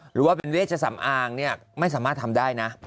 หรือว่าเป็นเวชสำอางเนี่ยไม่สามารถทำได้นะ